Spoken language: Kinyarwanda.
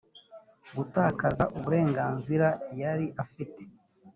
gutakaza uburenganzira yari afite